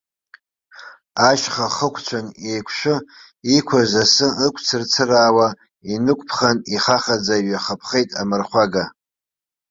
Ашьха ахықәцәан еиқәшәы иқәыз асы ықәцырцыраауа инықәԥхан, ихахаӡа иҩахыԥхеит амырхәага.